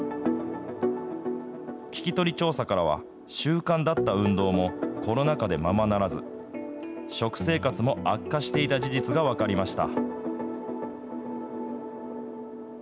聞き取り調査からは、習慣だった運動もコロナ禍でままならず、食生活も悪化していた事実が分かりました。